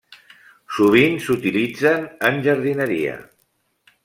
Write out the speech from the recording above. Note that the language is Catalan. Sovint s'utilitzen en jardineria.